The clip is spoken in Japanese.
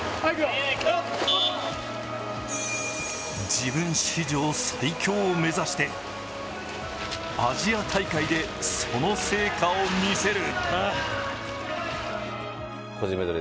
自分史上最強を目指してアジア大会でその成果を見せる。